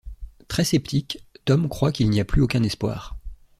Très sceptique, Tom croit qu'il n'y a plus aucun espoir.